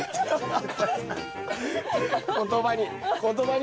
言葉に。